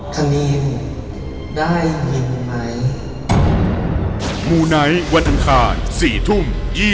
คนนี้ได้ยินไหม